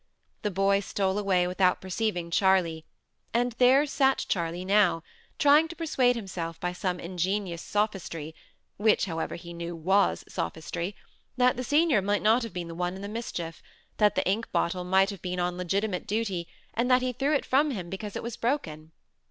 The boy stole away without perceiving Charley; and there sat Charley now, trying to persuade himself by some ingenious sophistry which, however, he knew was sophistry that the senior might not have been the one in the mischief; that the ink bottle might have been on legitimate duty, and that he threw it from him because it was broken.